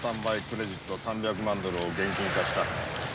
クレジット３００万ドルを現金化した。